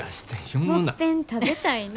「もっぺん食べたいな」。